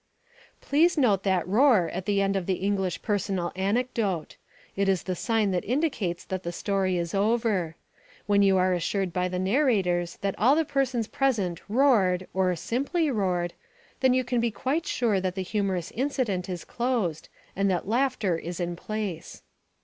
Please note that roar at the end of the English personal anecdote. It is the sign that indicates that the story is over. When you are assured by the narrators that all the persons present "roared" or "simply roared," then you can be quite sure that the humorous incident is closed and that laughter is in place.